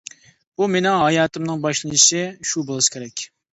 بۇ مېنىڭ ھاياتىمنىڭ باشلىنىشى، شۇ بولسا كېرەك.